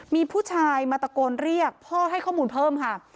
มีผู้ชายมาตะโกนเรียกพ่อให้ข้อมูลเพิ่มค่ะ